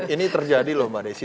ini terjadi loh mbak desi